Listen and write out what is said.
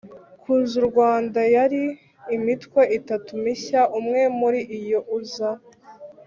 Ku z u rwanda yari imitwe itatu mishya umwe muri yo uza